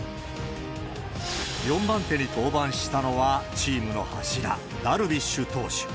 ４番手に登板したのは、チームの柱、ダルビッシュ投手。